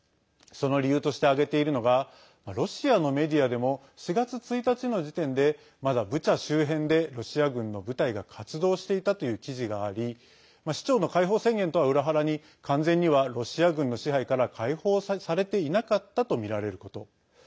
その理由として挙げているのがロシアのメディアでも４月１日の時点でまだブチャ周辺でロシア軍の部隊が活動していたという記事があり市長の解放宣言とは裏腹に完全にはロシア軍の支配から解放されていなかったとみられること。